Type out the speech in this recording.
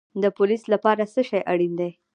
د پولیس لپاره څه شی اړین دی؟